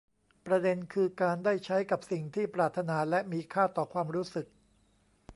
ประเด็นคือการได้ใช้กับสิ่งที่ปรารถนาและมีค่าต่อความรู้สึก